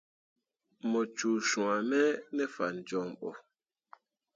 Mu cuu swãme ne fan joŋ bo.